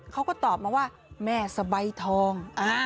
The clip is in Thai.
เขาก็ตอบมาว่าแม่สบายทอง